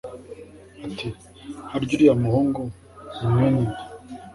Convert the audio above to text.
ati “Harya uriya muhungu ni mwene nde